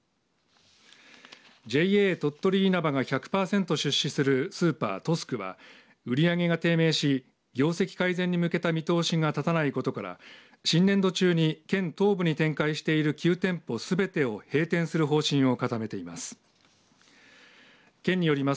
ＪＡ鳥取いなばが１００パーセント出資するスーパートスクは売り上げが低迷し業績改善に向けた見通しが立たないことから新年度中に県東部に展開している９店舗すべてを閉店する方針を固めています。